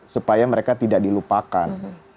supaya mereka tidak dilupakan